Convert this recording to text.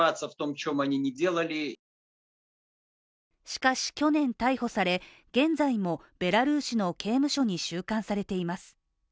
しかし去年、逮捕され、現在もベラルーシの刑務所に収監されています。